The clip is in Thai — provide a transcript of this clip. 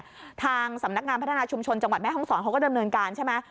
ทางสำนักงานพัฒนาชุมชนจังหวัดแม่ห้องศรเขาก็ดำเนินการใช่ไหม